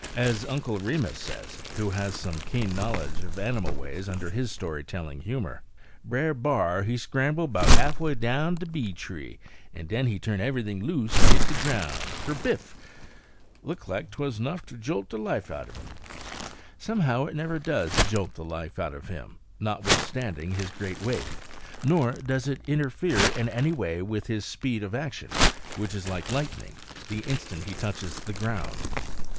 As Uncle Remus says who has some keen knowledge of animal ways under his story telling humor "Brer B'ar, he scramble 'bout half way down de bee tree, en den he turn eve'ything loose en hit de groun' kerbiff! Look like 't wuz nuff ter jolt de life out'n 'im." Somehow it never does jolt the life out of him, notwithstanding his great weight; nor does it interfere in any way with his speed of action, which is like lightning, the instant he touches the ground.